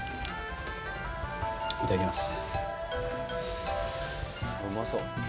いただきます。